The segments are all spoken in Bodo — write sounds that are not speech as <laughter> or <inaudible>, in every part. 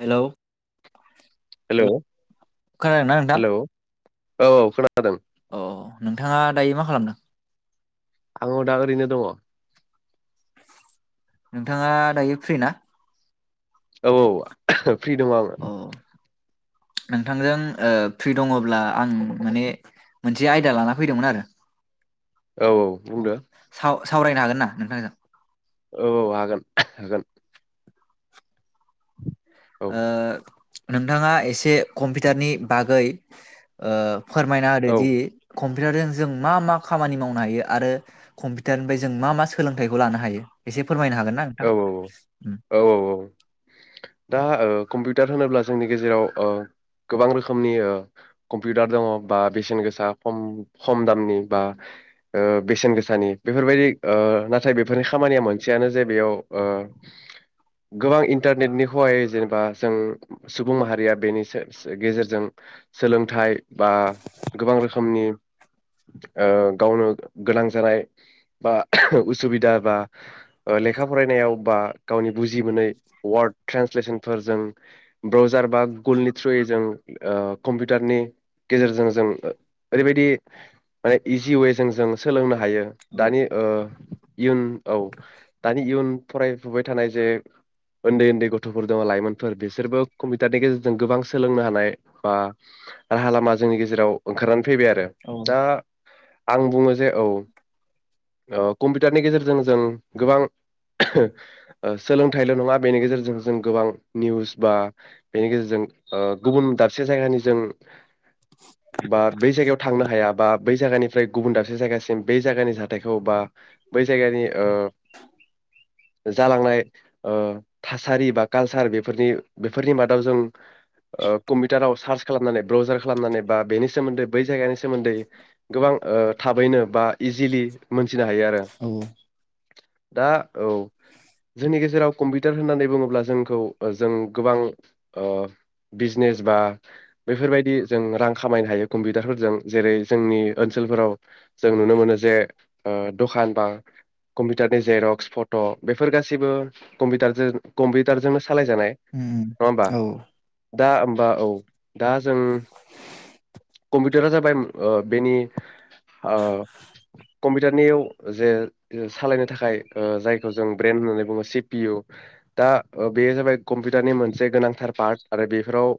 हेलौ हेलौ हेल' खोनादों ना नोंथां? हेलौ औ - औ खोनादों। अ नोंथाङा दायो मा खालामदों? आङो दा ओरैनो दङ। नोंथाङा दायो फ्रि ना? औ - औ। फ्रि दं आङो। अ नोंथांजों ओ फ्रि दङब्ला आं माने मोनसे आयदा लाना फैदोंमोन आरो। औ - औ अ बुंदो। साव सावरायनो हागोन ना नोंथांजों औ औ हागोन-हागोन। औ ओ नोंथाङा एसे कम्पिउटारनि बागै ओ फोरमायना औ होदोदि कम कम्पिउटारजों जों मा-मा खामानि मावनो हायो आरो कम्पिउटारनिफ्राय जों मा मा सोलोंथाइखौ लानो हायो एसे फोरमायनो हागोन ना नोंथां उम औ-औ-ओ-औ-औ दा ओ कम्पिउटार ओ होनोब्ला जोंनि गेजेराव गोबां रोखोमनि ओ कम्पिउटार दङ' बा बेसेन गोसा खम खम दामनि बा ओ बेसेन गोसानि बेफोरबायदि ओ नाथाय बेफोरनि ओ खामानिया मोनसेयानो जे बेयाव ओ गोबां इन्टारनेटनि हहायै जेनेबा जों सुबुं माहारिया बेनि गेजेरजों सोलोंथाइ बा गोबां रोखोमनि ओ गावनो गोनां जानाय बा उसुबिदा बा ओ लेखा फरायनायाव बा गावनि बुजि मोनै वार्ड ट्रेन्सलेसनफोरजों ब्रावजार बा गुगोलनि थ्रुयै जों ओ कम्पिउटारनि गेजेरजों जों ओरैबायदि माने इजि वे जों जों सोलोंनो हायो हायो औ दानि ओ इयुन औ दानि इयुन फरायफुबाय थानाय जे उन्दै-उन्दै गथफोर दङ' लाइमोनफोर बिसोरबो कम्पिउटारनि गेजेरजों गोबां सोलोंनो हानाय बा राहा लामा जोंनि गेजेराव ओंखारनानै फैबाय आरो औ दा आं बुङो जे औ ओ कम्पिउटारनि गेजेरजों जों गोबां ओ सोलोंथाइल' नङा बेनि गेजेरजों जों गोबां निउस बा बेनि गेजेरजों ओ गुबुन दाबसे जायगानि जों बा बे जायगाव थांनो हाया बा बै जायगानिफ्राय गुबुन दाबसे जायगासिम बै जायगानि जाथायखौ बा बै जायगानि ओ जालांनाय ओ थासारि बा कालचार बेफोरनि बेफोरनि मादाव जों ओ कम्पिउटाराव सार्च खालामनानै ब्राउजार खालामनानै बा बेनि सोमोन्दै बै जायगानि सो सोमोन्दै गोबां ओ थाबैनो बा इजिलि मोनथिनो हायो आरो औ दा औ जोंनि गेजेराव कम्पिउटार होननानै बुङोब्ला जोंखौ जों गोबां ओ बिजनेस बा बेफोरबायदि जों रां खामायनो हायो कम्पिउटारफोरजों जेरै जोंनि ओनसोलफोराव जों नुनो मोनो ओ जे दखान बा कम्पिउटार जेरक्स फथ' बेफोर गासैबो कम्पिउटारजों कम्पिउटारजोंनो सालायजानाय उम नङा होमबा औ दा होमबा औ दा जों कम्पिउटारा जाबाय ओ बेनि ओ कम्पिउटारनियाव जे सालायनो थाखाय ओ जायखौ जों ब्रेइन होननानै बुङो सि पि इउ दा बेयो जाबाय कम्पिउटारनि मोनसे गोनांथार पार्ट आरो बेफोराव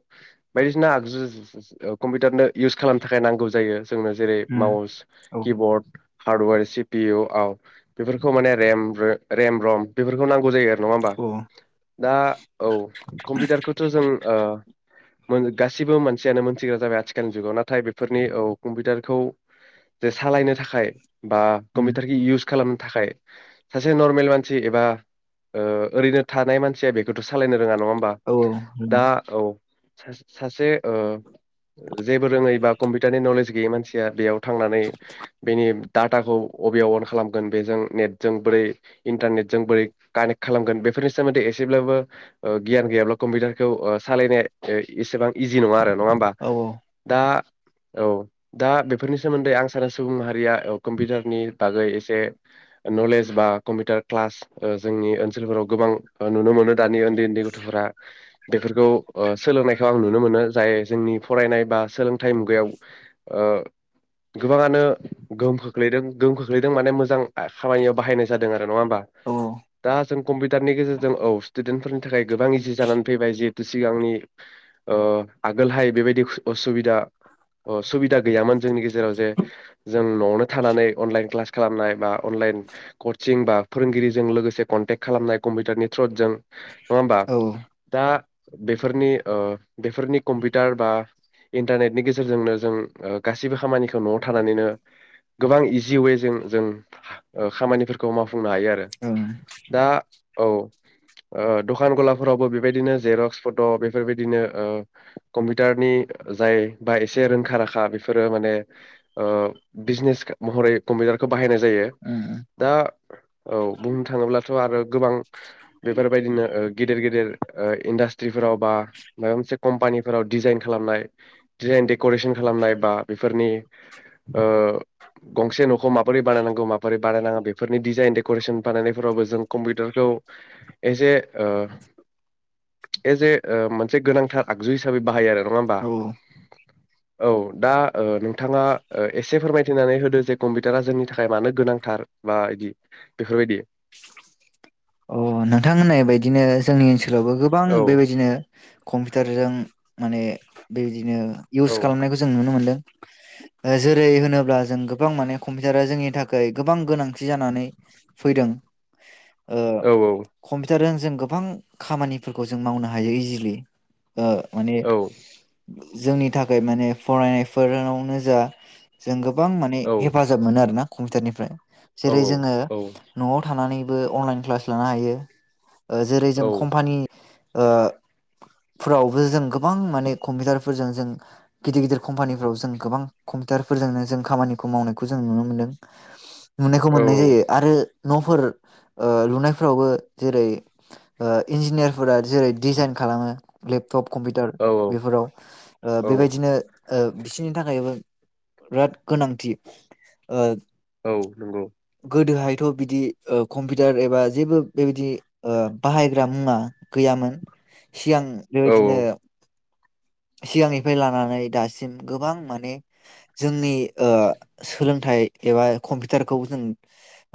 बायदिसिना आगजु कम्पिउटारनो इउस खालामनो थाखाय नांगौ जायो। जोंनो जेरै उम माउस औ किबर्ड। हार्डवेर सि पि इउआव बेफोरखौ माने रेम-रेम रम बेफोरखौ नांगौ जायो आरो नङा होमबा औ दा औ कम्पिउटारखौथ' जों ओ मोन गासिबो मानसियानो मोन‌ थिग्रा जाबाय आथिखालनि जुगाव नाथाय बेफोरनि औ कम्पिउटारखौ जे सालायनो थाखाय बा उम कम्पिउटार इउस खालामनो थाखाय सासे नर्मेल मानसि एबा ओ ओरैनो थानाय मानसिया बेखौथ सालायनो रोङा नङा होमबा औ दा औ सासे ओ जेबो रोङै बा कम्पिउटारनि नलेज गैयै मानसिया बेयाव थांनानै बेनि डाटाखौ अबेयाव अन खालामगोन बेजों नेटजों बोरै इन्टारनेटजों बोरै कानेक्ट खालामगोन बेफोरनि सोमोन्दै एसेब्लाबो गियान गैयाब्ला कम्पिउटारखौ सालायनाया इसेबां इजि नङा आरो नङा बा औ दा औ दा बेफोरनि सोमोन्दै आं सानो सुबुं माहारिया कम्पिउटारनि बागै एसे नलेज बा कम्पिउटार क्लास जोंनि ओनसोलफोराव गोबां नुनो मोनो दानि ओनसोल उन्द उन्दै गथ'फोरा। बेफोरखौ ओ सोलोंनायखौ आं नुनो मोनो जाय जोंनि फरायनाय बा सोलोंथाइ मुगायाव ओ गोबाङानो गोहोम खोख्लैदों गोहोम खोख्लैदों माने मोजां खामानियाव बाहायनाय जादों आ रो नङा ओमबा? औ दा जों कम्पिउटारनि गेजेरजों औ स्टुडेन्टफोरनि थाखाय गोबां इजि जानानै फैबाय जिहेतु सिगांनि ओ आगोलहाय बेबायदि असुबिदा ओ सुबिदा गैयामोन जोंनि गेजेराव जे जों न'आवनो थानानै अनलाइन क्लास खालामनाय बा अनलाइन कचिं बा फोरोंगिरिजों लोगोसे कन्टेक्ट खालामनाय कम्पिउटारनि थ्रु जों नङा होमबा? औ ओं दा बेफोरनि ओ बेफोरनि कम्पिउटार बा इन्टारनेटनि गेजेरजोंनो जों ओ गासिबो खामानिखौ न'आव थानानैनो गोबां इजि वेजों जों खामानिफोरखौ मावफोरख मा फुंनो हायो आरो दा औ ओ दखान गलाफोरावबो बेबायदिनो जेरक्स फट' बेफोरबायदिनो ओ कम्पिउटारनि जाय बा एसे रोंखा राखा बेफोरो माने बिजनेस महरै कम्पिउटारखौ बाहायनाय जायो। दा औ बुंनो थाङोब्लाथ' आरो गोबां बेफोरबायदिनो गेदेर गेदेर ओ इन्डाष्ट्रि फोरावबा माबा मोनसे कम्पानिफोराव डिजाइन खालामनाय डिजाइन डेक'रेसन खालामनाय बा बेफोरनि ओ गंसे न'खौ माबोरै बानायनांगौ माबोरै बानायनाङा बेफोरनि डिजाइन डेक'रेसन बानायनायफोरावबो जों कम्पिउटारखौ as a O S A मोनसे गोनांथार आगजु हिसाबै बाहायो आरो। नङा होमबा? ओं औ औ दा ओ नोंथाङा ओ एसे फोरमायथिनानै होदो जे कम्पिउटारा जोंनि थाखाय मानो गोनांथार बा इदि बेफोरबायदि। अह नोंथांमोननाय बायदिनो जोंनि ओनसोलावबो गोबां औ बेबायदिनो कम्पिउटारजों माने बेबायदिनो इउस औ खालामनायखौ जों नुनो मोन्दों ओ जेरै होनोब्ला जों गोबां माने कम्पिउटारा जोंनि थाखाय गोबां गोनांथि जानानै फैदों। औ कम्पिउटार जों गोबां खामानि फोरखौ जों मावनो हायो इजिलि। ओ माने औ जोंनि थाखाय माने फरायनाय फोरावनो जा जों गोबां गोबां माने हेफाजाब मोनो आरो ना। कम्पिउटार निफ्राय औ जेरै जोङो औ न'आव थानानै बो अनलाइन क्लास लानो हायो। ओ जेरै औ जों कम्पानि ओ फोरावबो जों गोबां माने कम्पिउटार फोरजों जों गिदिर गिदिर कम्पानिफ्राव जों गोबां कम्पिउटार फोरजोंनो जों खामानिखौ मावनायखौ जों नुनो मोनदों। नुनायखौ औ मोननाय जायो आरो न'फोर ओ लुनो फोरावबो जेरै ओ इन्जिनियार फोर जेरै डिजाइन खालामो लेप टप कम्पिउटार बेफोराव ओ औ बेबायदिनो ओ बिसोरनि थाखायबो बिराद गोनांथि ओ औ नंगौ। गोदो हायथ' बिदि ओ कम्पिउटार एबा जेबो बेबायदि ओ बाहायग्रा मुवा गैया मोन सिगां औ बेबायदिनो सिगां निफ्राय लानानै दासिम गोबां माने जोंनि ओ सोलोंथाइ एबा कम्पिउटारखौ जों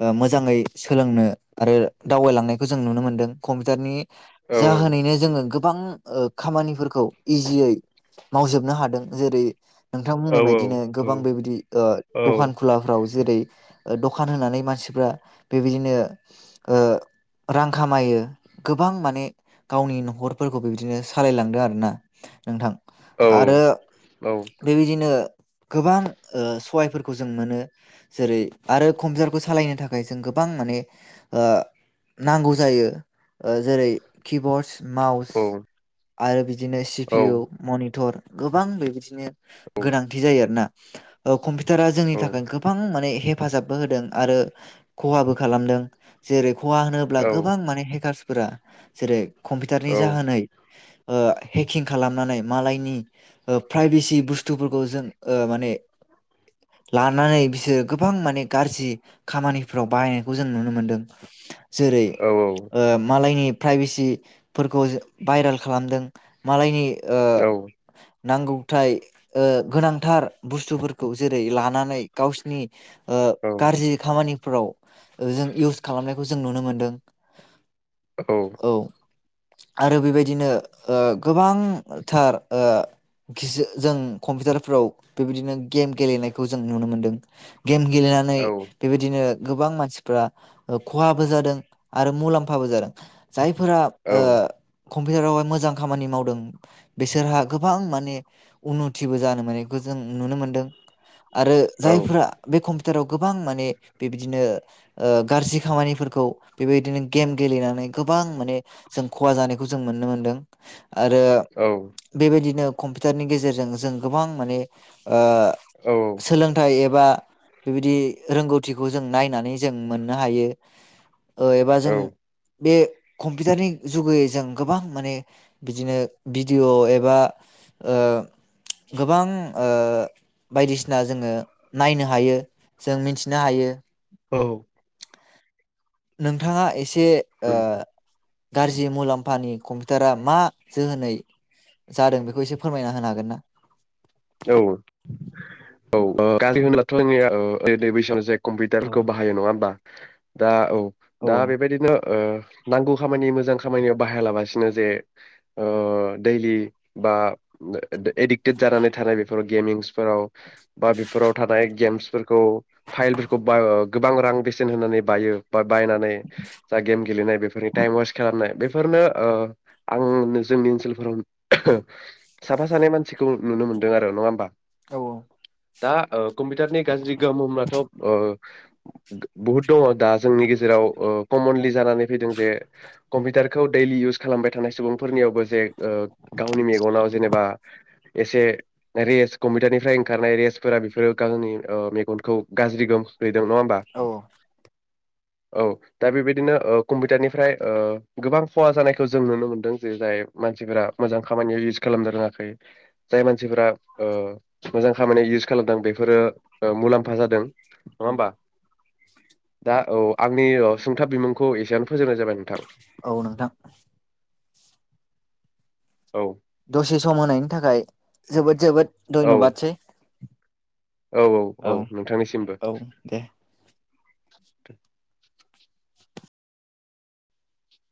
ओ मोजाङै सोलोंनो आरो दावबाय लांनायखौ जों नुनो मोनदों कम्पिउटारनि औ जाहोनैनो जोङो गो गोबां ओ खामानि फोरखौ इज जियै मावजोबनो हादों जेरै नोंथां बुंनाय औ बायदिनो औ गोबां बेबायदि ओ औ दखान खुलाफ्राव जेरै ओ दखान होनानै मानसिफ्रा बेबाय दिनो ओ रां खामायो गोबां माने गावनि न'खर फोरखौ बिबदिनो सालायलांदों आरोना। नोंथां। आरो औ बेबायदिनो गोबां ओ सहाय फोरखौ जों मोनो जेरै आरो कम्पिउटार खौ सालायनो थाखाय जों गोबां माने ओ नांगौ जायो ओ जेरै किबर्ड माउस आरो बिदिनो पिउ, मनिटर गोबां बेबायदिनो गोनांथि जायो आरोना ओ कम्पिउटारा जोंनि थाखाय गोबां माने हेफाजाबबो होदों आरो खहाबो खालामदों जेरै खहा होनोब्ला गोबां माने हेकार्स फोरा जेरै कम्पिउटारनि जाहोनै ओ हे किं खालामनानै मालायनि ओ प्राइभेसि बुस्थुफोरखौ जों ओ माने लानानै बिसोरो गोबां माने गाज्रि खामानिफ्राव बाहायनायखौ जों नुनो मोनदों जेरै ओ मालायनि प्राइभेसि फोरखौ भाइरेल खालामदों मालायनि ओ औ नांगौथाय ओ गोनांथार बुस्थुफोरखौ जेर रै लानानै गावसिनि ओ गारजि खामानिफोराव जों इउस खालामनायखौ जों नुनो मोनो दों औ आरो बेबायदिनो ओ गोबांथार ओ जों कम्पिउटारफोराव बेबायदिनो गेम गेलेनायखौ जों नुनो मोनदों गेम गेलेनानै बेबायदिनो गोबां मानसिफ्रा ओ खहाबो जादों आरो मुलाम्फाबो जादों जायफोरा ओ कम्पिउटाराव मोजां खामानि मावो दों बिसोरहा गोबां माने उन्नथिबो जानो मोनोयखौ जों नुनो मोनदों आरो जायफोरा बे कम्पि टाराव गोबां माने बेबायदिनो गारजि खामानिफोरखौ बेबायदिनो गेम गेलेनानै गोबां माने जों खहा जानायखौ जों मोननो मोनदों आरो बेबायदिनो कम्पिउटारनि गेजेरजों जों गोबां माने ओ सोलोंथाइ एब एबा बिबायदि रोंगौथिखौ जों नायनानै जों मोननो हायो ओ एबा औ जों बे कम्पिउटारनि जुगै जों गोबां माने बिदिनो भिडिअ' एबा ओ गोबां ओ बायदिसिना जोङो नायनो हायो जों मिथिनो हायो औ नोंथाङा एसे से औ ओ गारजि मुलाम्फानि कम्पिउटारा मा जोहोनै जादों बेखौ एसे फोरमायना होनो हागोन ना औ औ गलि <unintelligible> औ दे दे बैसान जे औ कम्पिउटारखौ बाहायो नङा होमबा दा औ। औ दा बेबायदिनो। ओह नांगौ खामानि मोजां खामानियाव बाहाया लाबासिनो जे ओह दैलि बा ओ द एडिक्टेड जारानै। दे बेफोराव गेमिंसफोराव। बा बेफोराव थानाय गेमस। फोरखौ फाइलफोरखौ बा गोबां रां बेसेन होनानै बायो बाद। बायनानै जा गेम गेलेनाय बेफोरनि तायेम वेस्ट खालामनाय बेफोरनो ओह आं जोंनि ओनसोलफोराव साफा सानै मानसिखौ नुनो मोन दोंआरो नङा ओमबा। औ औ। दा ओ कम्पिटारनि गाज्रि गोहोम होमबाथ ओ। <unintelligible> बहुद दङ दा जोंनि गेजेराव ओह कमनलि जानानै फैदों जे कम्पिउटारखौ दैलि इउस खालामबाय थानाय सुबुंफोरनियावबोजे। ओ गावनि मेगनाव जेनेबा। एसे। रेस कम्पिउटारनिफ्राय ओंखारनाय रेसफोरा बेफोरो गावनि मेगनखौ गाज्रि गोम खोलैदों नङा ओमबा। औ औ दा बेबादिनो ओह कम्पिउटारनिफ्राय ओह गोबां खहा जानायखौ जों नुनो मोनदों जे जाय मानसिफोरा मोजां खामानियाव इउस खालामनो रोङाखै जाय मानसि मानसिफोरा ओह मोजां खामानियाव इउस खालामदों बेफोरो ओह मुलाम्फा जादों। नङा होमबा दा औ। आंनि अ सुंथाब बिमुंखौ एसेआनो फोजोबनाय जाबाय नोंथां। औ नोंथां। औ। दसेसम होनायनि थाखाय जोबोद जोबोद। औ धयनबादसेै। औ औ औ नोंथांनिसिमबो। औ दे <inaudible>